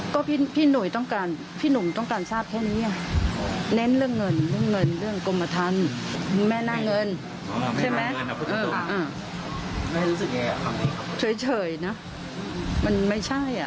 ก็พี่หนุเลยต้องการพี่หนุต้องการทราบแค่นี้